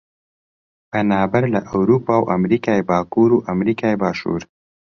پەنابەر لە ئەورووپا و ئەمریکای باکوور و ئەمریکای باشوور